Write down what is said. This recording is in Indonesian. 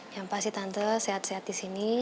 yang pasti tante sehat sehat di sini